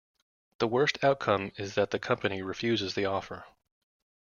The worst outcome is that the company refuses the offer.